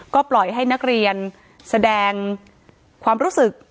ก็ปล่อยให้นักเรียนแสดงความรู้สึก